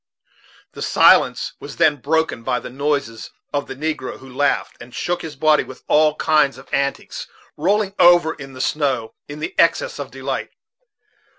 The silence was then broken by the noise of the negro, who laughed, and shook his body with all kinds of antics, rolling over in the snow in the excess of delight.